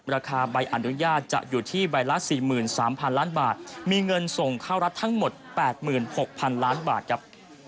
ราคาใบอนุญาตจะอยู่ที่ใบละสี่หมื่นสามพันล้านบาทมีเงินส่งข้าวรัฐทั้งหมดแปดหมื่นหกพันล้านบาทครับ